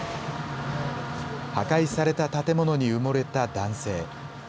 破壊された建物に埋もれた男性。